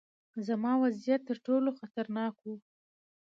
زما وضعیت ترټولو خطرناک و.